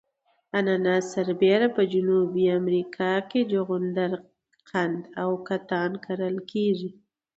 اناناس سربېره په جنوبي امریکا کې جغندر قند او کتان کرل کیږي.